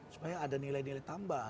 supaya ada nilai nilai tambah